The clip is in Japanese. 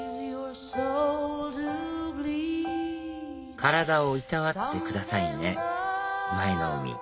「体をいたわってくださいね舞の海」